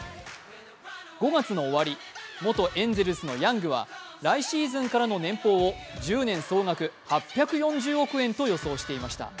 ５月の終わり元エンゼルスのヤングは来シーズンからの年俸を１０年総額８４０億円と予想していました。